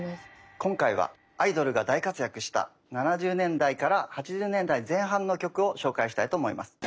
今回はアイドルが大活躍した７０年代から８０年代前半の曲を紹介したいと思います。